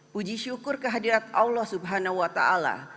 puji syukur kehadirat allah